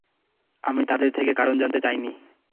আমি তাদের থেকে কারণ জানতে চাইনি।